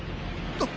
あっ。